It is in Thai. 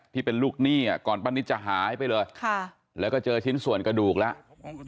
ที่เป็นลูกหนี้ก่อนป้านิตจะหายไปเลยแล้วก็เจอชิ้นส่วนกระดูกแล้ว